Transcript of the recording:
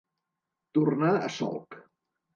Tornar a solc.